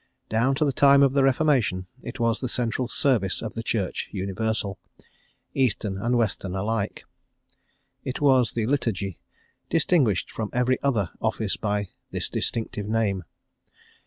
Down to the time of the Reformation it was the central service of the Church universal, Eastern and Western alike: it was the Liturgy, distinguished from every other office by this distinctive name.